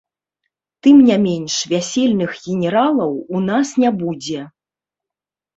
Тым не менш, вясельных генералаў у нас не будзе.